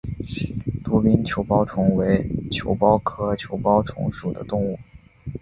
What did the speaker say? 杜宾球孢虫为球孢科球孢虫属的动物。